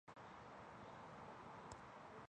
鸭嘴龙形类是群衍化的鸟脚下目。